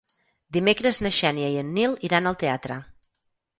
Dimecres na Xènia i en Nil iran al teatre.